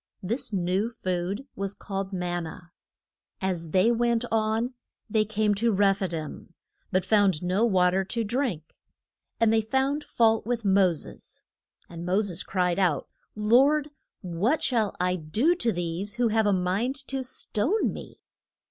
This new food was called man na. As they went on they came to Reph i dim, but found no wa ter to drink. And they found fault with Mo ses. And Mo ses cried out, Lord, what shall I do to these, who have a mind to stone me?